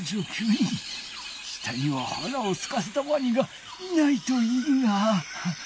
下にははらをすかせたワニがいないといいが。